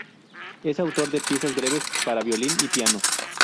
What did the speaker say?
Es autor de piezas breves para violín y piano.